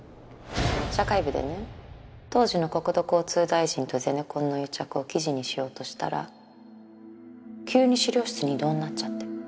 社会部でね当時の国土交通大臣とゼネコンの癒着を記事にしようとしたら急に資料室に異動になっちゃって。